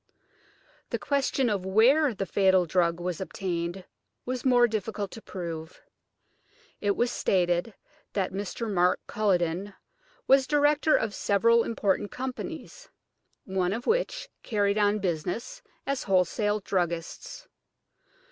The question of where the fatal drug was obtained was more difficult to prove. It was stated that Mr. Mark Culledon was director of several important companies, one of which carried on business as wholesale druggists.